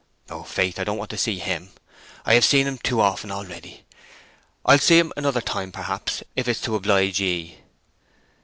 "Oh, faith, I don't want to see him! I have seen him too often a'ready. I'll see him another time, perhaps, if 'tis to oblige 'ee."